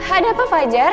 ada apa fajar